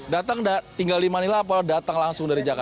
datang tinggal di manila atau datang langsung dari jakarta